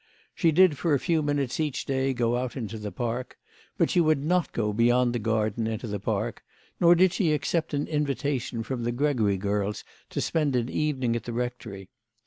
She did for a few minutes each day go out into the garden, but she would not go beyond the garden into the park, nor did she accept an invitation from the Gregory girls to spend an evening at the rectory.